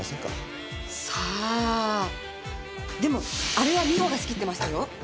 さあでもあれは美穂が仕切ってましたよ。